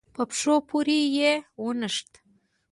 په پښو پورې يې ونښت.